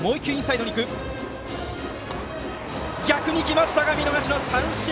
逆に来ましたが見逃し三振。